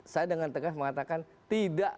saya dengan tegas mengatakan tidak